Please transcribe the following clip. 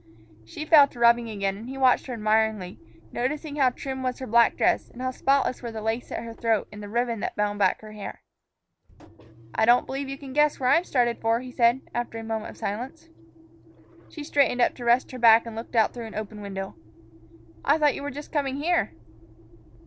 She fell to rubbing again, and he watched her admiringly, noticing how trim was her black dress, and how spotless were the lace at her throat and the ribbon that bound back her hair. "I don't believe you can guess where I'm started for," he said, after a moment of silence. She straightened up to rest her back and looked out through an open window. "I thought you were just coming here."